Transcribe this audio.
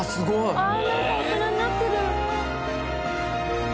なんか大人になってる。